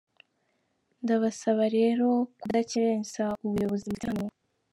Ndabasaba rero kudakerensa ubuyobozi mufite hano.”